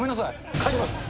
帰ります。